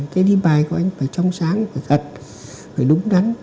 thế thì bài của anh phải trong sáng phải thật phải đúng đắn